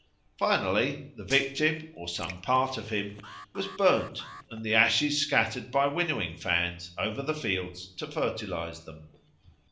Finally, the victim, or some part of him, was burned, and the ashes scattered by winnowing fans over the fields to fertilise them.